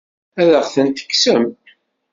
Ad aɣ-tent-tekksem?